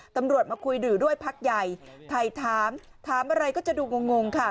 ตำรวจมาคุยดื่ด้วยพักใหญ่ถ่ายถามถามอะไรก็จะดูงงค่ะ